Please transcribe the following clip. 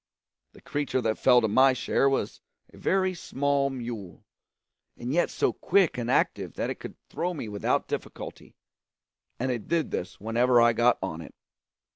The creature that fell to my share was a very small mule, and yet so quick and active that it could throw me without difficulty; and it did this whenever I got on it.